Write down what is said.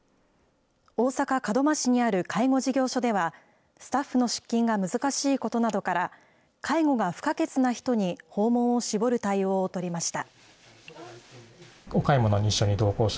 大阪・門真市にある介護事業所では、スタッフの出勤が難しいことなどから、介護が不可欠な人に、訪問を絞る対応を取りました。